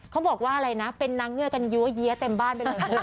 เขาบอกว่าอะไรนะเป็นน้ำเงือกันยื่เยี้ยวเต็มบ้าน